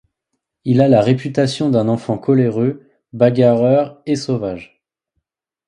Il a la réputation d'un enfant coléreux, bagarreur et sauvage.